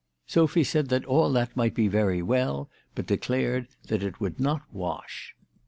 Sophy said that all that might be very well, but declared that it " would not wash."